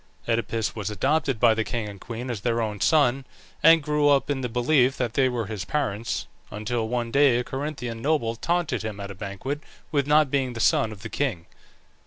Oedipus was adopted by the king and queen as their own son, and grew up in the belief that they were his parents, until one day a Corinthian noble taunted him at a banquet with not being the son of the king.